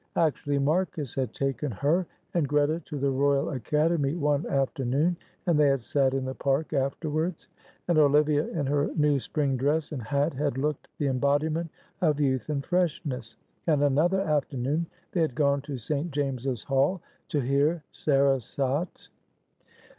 Actually Marcus had taken her and Greta to the Royal Academy one afternoon, and they had sat in the Park afterwards. And Olivia in her new spring dress and hat had looked the embodiment of youth and freshness, and another afternoon they had gone to St. James's Hall to hear Sarasate.